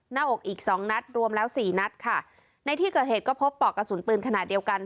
หน้าอกอีกสองนัดรวมแล้วสี่นัดค่ะในที่เกิดเหตุก็พบปอกกระสุนปืนขนาดเดียวกัน